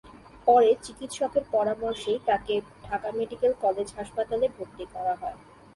পরে চিকিৎসকের পরামর্শেই তাঁকে ঢাকা মেডিকেল কলেজ হাসপাতালে ভর্তি করা হয়।